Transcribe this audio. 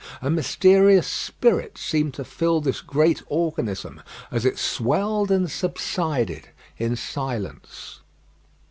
A mysterious spirit seemed to fill this great organism, as it swelled and subsided in silence.